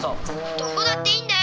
どこだっていいんだよ！